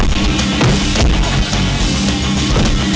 kalian kurang ajar